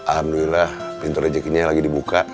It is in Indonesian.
alhamdulillah pintu rezekinya lagi di buka